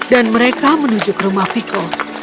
dan mereka menuju ke rumah viko